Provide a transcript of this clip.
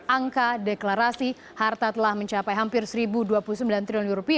angka deklarasi harta telah mencapai hampir rp satu dua puluh sembilan triliun